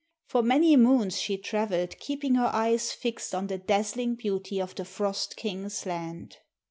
For many moons she traveled keeping her eyes fixed on the dazzling beauty of the frost king's land.